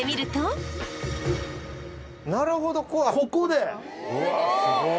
なるほどここでスゴッ！